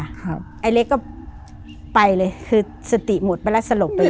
ไอ้เล็กก็ไปเลยคือสติหมดไปแล้วสลบไปเลย